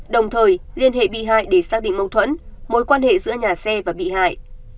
đồng thời liên hệ bị hại để xác định mâu thuẫn mối quan hệ giữa nhà xe và bị hại